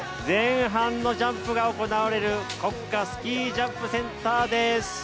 前半のジャンプが行われる国家スキージャンプセンターです。